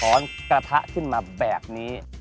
กระทะขึ้นมาแบบนี้